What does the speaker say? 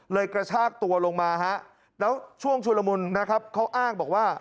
กระชากตัวลงมาฮะแล้วช่วงชุลมุนนะครับเขาอ้างบอกว่า